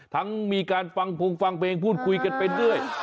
ทั้งมีการฟังฟูงฟังเพลงพูดคุยกันไปด้วย